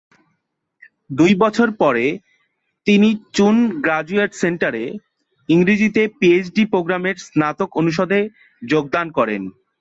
দু'বছর পরে তিনি চুন গ্র্যাজুয়েট সেন্টারে ইংরেজিতে পিএইচডি প্রোগ্রামের স্নাতক অনুষদে যোগদান করেন।